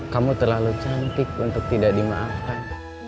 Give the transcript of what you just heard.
kamu terlalu cantik untuk tidak dimaafkan